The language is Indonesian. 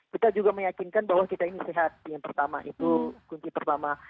kita juga meyakinkan bahwa kita ini sehat yang pertama itu kunci pertama